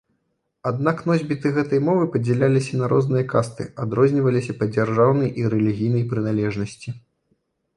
Аднак носьбіты гэтай мовы падзяляліся на розныя касты, адрозніваліся па дзяржаўнай і рэлігійнай прыналежнасці.